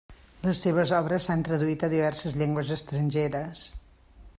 Les seves obres s'han traduït a diverses llengües estrangeres.